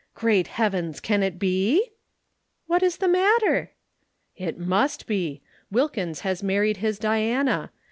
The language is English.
Great heavens, can it be?" "What is the matter?" "It must be. Wilkins has married his Diana.